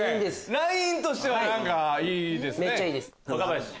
ラインとしてはいいですね。